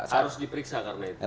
harus diperiksa karena itu